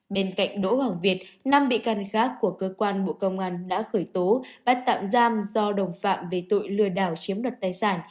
bên cạnh đỗ hoàng việt năm bị can khác của cơ quan bộ công an đã khởi tố bắt tạm giam do đồng phạm về tội lừa đảo chiếm đoạt tài sản